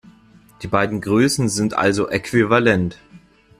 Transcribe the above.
Die beiden Größen sind also äquivalent.